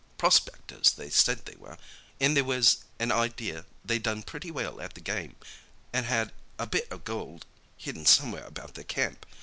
Prospectors, they said they were—an' there was an idea that they'd done pretty well at the game, an' had a bit of gold hidden somewhere about their camp.